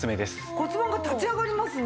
骨盤が立ち上がりますね。